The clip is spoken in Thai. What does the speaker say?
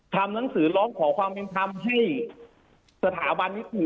ทำหนังสือร้องขอความเป็นธรรมให้สถาบันนิตินี้ไปขอประวัติมาเขาจะได้รู้